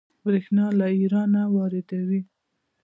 بریښنا له ایران واردوي